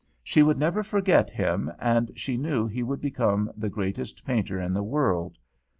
She would never forget him, and she knew he would become the greatest painter in the world.